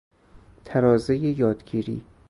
ترازهی یادگیری